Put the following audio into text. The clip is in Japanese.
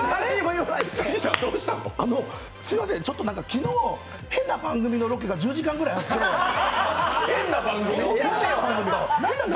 すみません、昨日、変な番組のロケが１０時間ぐらいあって何だ？